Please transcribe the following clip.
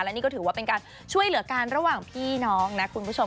และนี่ก็ถือว่าเป็นการช่วยเหลือกันระหว่างพี่น้องนะคุณผู้ชม